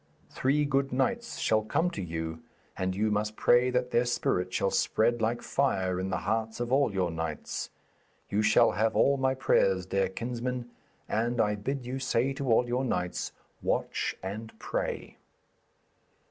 Three good knights shall come to you, and you must pray that their spirit shall spread like fire in the hearts of all your knights. You shall have all my prayers, dear kinsman, and I bid you say to all your knights, "Watch and Pray."'